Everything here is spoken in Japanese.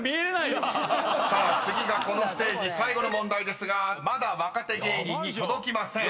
［さあ次がこのステージ最後の問題ですがまだ若手芸人に届きません］